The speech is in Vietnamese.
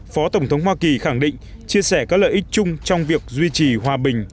phó tổng thống hoa kỳ khẳng định chia sẻ các lợi ích chung trong việc duy trì hòa bình